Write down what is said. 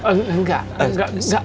enggak enggak enggak